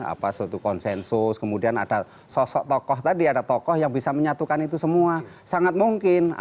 apa suatu konsensus kemudian ada sosok tokoh tadi ada tokoh yang bisa menyatukan itu semua sangat mungkin